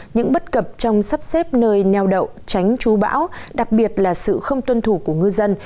những bất cập trong sắp xếp nơi neo đậu tránh chú bão đặc biệt là sự không tuân thủ của ngư dân